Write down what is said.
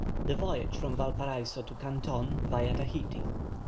THE VOYAGE FROM VALPARAISO TO CANTON VIA TAHITI.